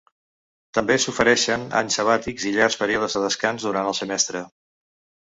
També s'ofereixen anys sabàtics i llargs períodes de descans durant el semestre.